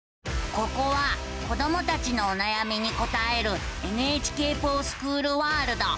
ここは子どもたちのおなやみに答える「ＮＨＫｆｏｒＳｃｈｏｏｌワールド」。